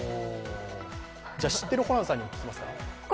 知ってるホランさんにも聞きます。